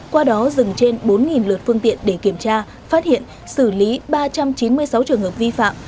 qua đó dừng trên bốn lượt phương tiện để kiểm tra phát hiện xử lý ba trăm chín mươi sáu trường hợp vi phạm